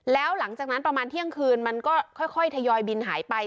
แล้วหลังจากนั้นประมาณเที่ยงคืนมันก็ค่อยทยอยบินหายไป